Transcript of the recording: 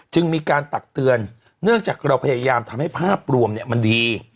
จึงมีการตักเตือนเนื่องจากเราพยายามทำให้ภาพรวมมันดี